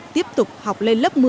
tiếp tục học lên lớp một mươi